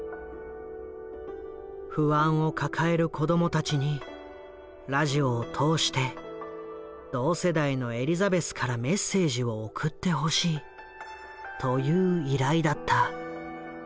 不安を抱える子どもたちにラジオを通して同世代のエリザベスからメッセージを送ってほしいという依頼だった。